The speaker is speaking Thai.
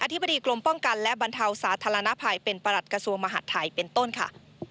ธิบดีกรมป้องกันและบรรเทาสาธารณภัยเป็นประหลัดกระทรวงมหาดไทยเป็นต้นค่ะ